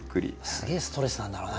すげえストレスなんだろうな